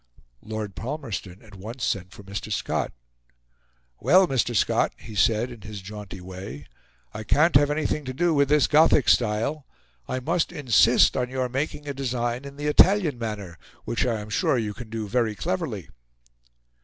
Lord Palmerston at once sent for Mr. Scott. "Well, Mr. Scott," he said, in his jaunty way, "I can't have anything to do with this Gothic style. I must insist on your making a design in the Italian manner, which I am sure you can do very cleverly."